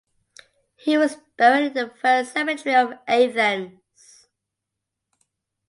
He was buried in the first cemetery of Athens.